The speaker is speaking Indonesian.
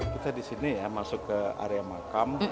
kita di sini ya masuk ke area makam